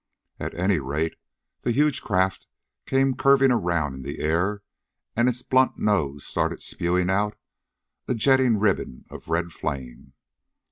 At any rate, the huge craft came curving around in the air, and its blunt nose started spewing out a jetting ribbon of red flame.